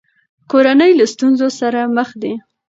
کورنۍ له ستونزو سره مخ دي.